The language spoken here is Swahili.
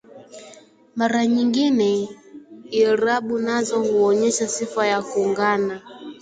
Mara nyingine irabu nazo huonyesha sifa ya kuungana